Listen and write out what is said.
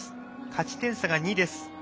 勝ち点差が２です。